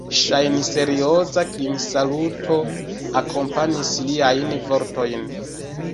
Ŝajnserioza klinsaluto akompanis liajn vortojn.